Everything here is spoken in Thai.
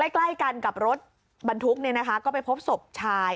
ใกล้กันกับรถบรรทุกก็ไปพบศพชาย